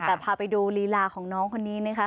แต่พาไปดูลีลาของน้องคนนี้นะคะ